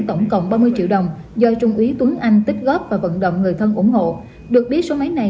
tổng cộng ba mươi triệu đồng do trung úy tuấn anh tích góp và vận động người thân ủng hộ được biết số máy này